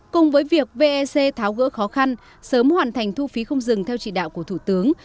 cùng với việc vec tháo gỡ khó khăn sớm hoàn thành thu phí không dừng theo chỉ đạo của thủ tướng